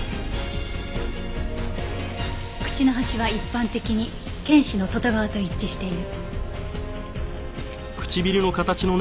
口の端は一般的に犬歯の外側と一致している。